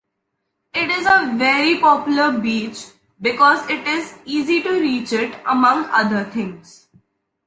It is a very popular beach because it is easy to reach it among other things.